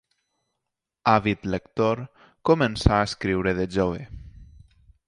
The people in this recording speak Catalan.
Àvid lector, començà a escriure de jove.